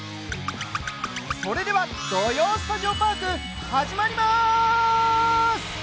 それでは「土曜スタジオパーク」始まります。